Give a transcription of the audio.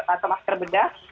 atau masker bedah